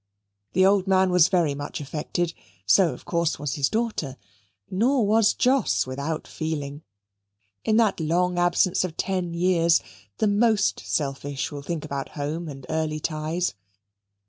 The old man was very much affected; so, of course, was his daughter; nor was Jos without feeling. In that long absence of ten years, the most selfish will think about home and early ties.